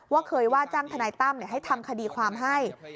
เคยว่าจ้างทนายตั้มให้ทำคดีความให้